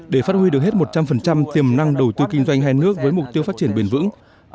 để phát huy được hết một trăm linh tiềm năng đầu tư kinh doanh hai nước với mục tiêu phát triển bền vững